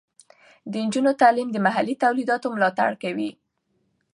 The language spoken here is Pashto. د نجونو تعلیم د محلي تولیداتو ملاتړ کوي.